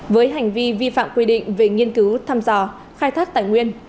với hành vi vi phạm quy định về nghiên cứu thăm dò khai thác tài nguyên